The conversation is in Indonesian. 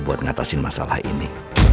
buat ngatasin masalah ini